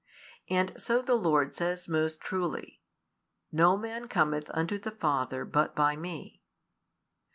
And so the Lord says most truly: No man cometh unto the Father but by Me.